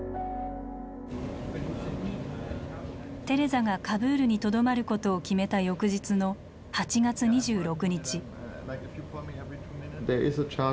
テレザがカブールにとどまることを決めた翌日の８月２６日。